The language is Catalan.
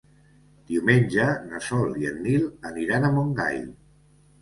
Diumenge na Sol i en Nil aniran a Montgai.